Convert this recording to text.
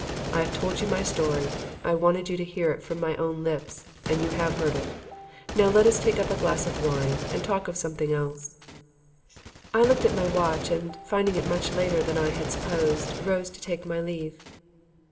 I have told you my story; I wanted you to hear it from my own lips, and you have heard it. Now let us take a glass of wine and talk of something else." I looked at my watch and, finding it much later than I had supposed, rose to take my leave.